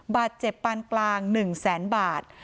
บาดเจ็บปานกลาง๑๐๐๐๐๐บาท